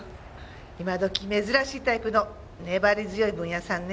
今時珍しいタイプの粘り強いブンヤさんね。